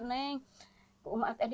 dia lebih eh imagine yeah